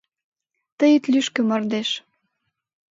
Тый ит лӱшкӧ, мардеж